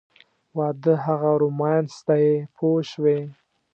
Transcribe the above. واده هغه رومانس دی پوه شوې!.